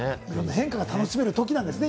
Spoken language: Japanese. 変化が楽しめる時なんですね。